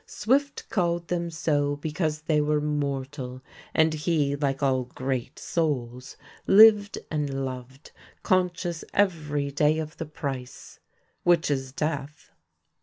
Swift called them so because they were mortal; and he, like all great souls, lived and loved, conscious every day of the price, which is death.